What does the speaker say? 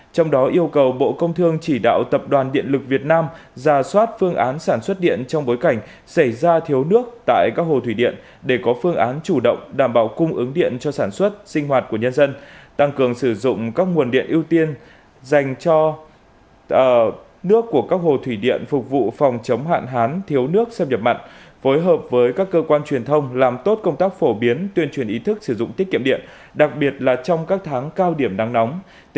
trong đó yêu cầu bộ công thương chỉ đạo tập đoàn điện lực việt nam ra soát phương án sản xuất điện trong bối cảnh xảy ra thiếu nước tại các hồ thủy điện để có phương án chủ động đảm bảo cung ứng điện cho sản xuất sinh hoạt của nhân dân tăng cường sử dụng các nguồn điện ưu tiên dành cho nước của các hồ thủy điện phục vụ phòng chống hạn hán thiếu nước xâm nhập mạng phối hợp với các cơ quan truyền thông làm tốt công tác phổ biến tuyên truyền ý thức sử dụng tiết kiệm điện đặc biệt là trong các tháng cao điểm nắng nóng